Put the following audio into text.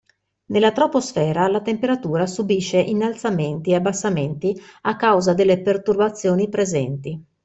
Nella troposfera la temperatura subisce innalzamenti e abbassamenti a causa delle perturbazioni presenti.